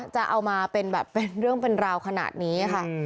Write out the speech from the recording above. จะเอามาเป็นแบบเป็นเรื่องเป็นราวขนาดนี้ค่ะ